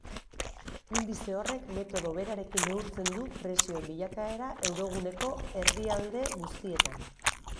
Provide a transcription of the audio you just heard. Indize horrek metodo berarekin neurtzen du prezioen bilakaera euroguneko herrialde guztietan.